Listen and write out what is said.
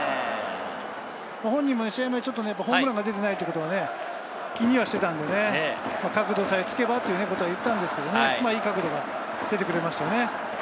本人も試合前、ホームランが出てないということは気にしていたので、角度さえつけばということを言ったんですけど、いい角度が出てくれましたね。